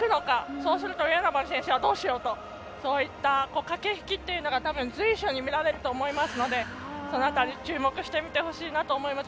そうすると、上与那原選手はどうしようとそういった駆け引きが随所に見られると思いますのでその辺り、注目して見てほしいなと思います。